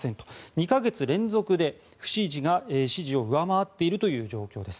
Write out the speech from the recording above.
２か月連続で不支持が支持を上回っている状況です。